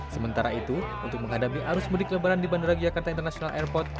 sementara itu untuk menghadapi arus mudik lebaran di bandara jakarta international airport